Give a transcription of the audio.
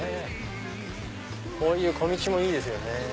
こういう小道もいいですよね。